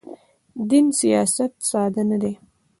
دین سیاست ساده نه دی.